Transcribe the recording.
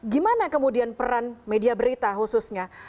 gimana kemudian peran media berita khususnya